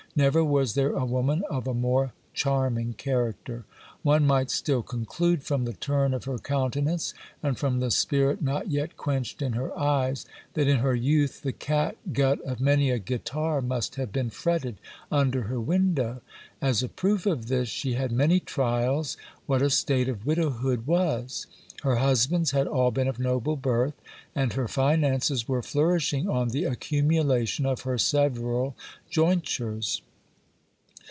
Never was there a woman of a more charming character. One might still conclude from the turn of her countenance, and from the spirit not yet quenched in her eyes, that in her youth the catgut of many a guitar must have been fretted under her window. As a proof of this, she had many trials what a state of widowhood was ; her husbands had all been of noble birth, and her finances were flourish ing on the accumulation of her several jointures.